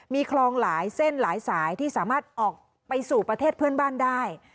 มีคลองหลายเส้นหลายสายที่สามารถออกไปสู่ประเทศเพื่อนบ้านได้